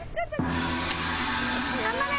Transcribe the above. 頑張れ！